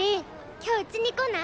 今日うちに来ない？